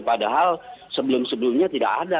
padahal sebelum sebelumnya tidak ada